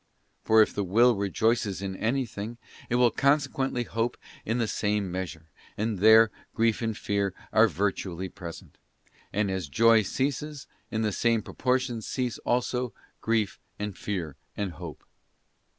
For if the Will rejoices in anything, it will consequently hope in the same measure, and there grief and fear are virtually present ; and as that joy ceases, in the same proportion cease also grief and fear and hope.